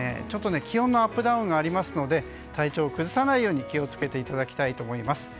ちょっと気温のアップダウンがありますので体調を崩さないように気を付けていただきたいと思います。